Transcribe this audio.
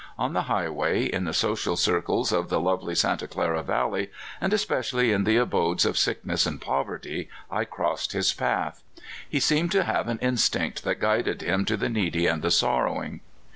On the highway, in the social circles of the lovely Santa Clara Valley, and especially in the abodes of sickness and povert} , I crossed his path. He seemed to have an instinct that guided him to the needy and the sorrowing.